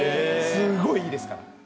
すごいいいですから。